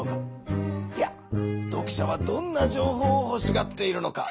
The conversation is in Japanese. いや読者はどんな情報をほしがっているのか。